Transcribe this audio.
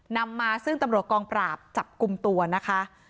นำมาซึ่งตำรวจกองปราบจับกลุ่มตัวนะคะ